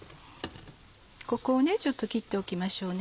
ここをちょっと切っておきましょうね。